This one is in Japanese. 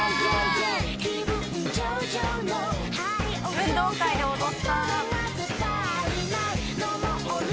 ・運動会で踊った。